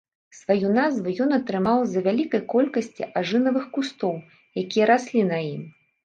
Сваю назву ён атрымаў з-за вялікай колькасці ажынавых кустоў, якія раслі на ім.